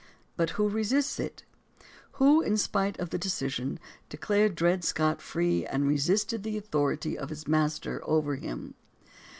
But who resists it ? Who has, in spite of the decision, declared Dred Scott free and resisted the authority of his master over him?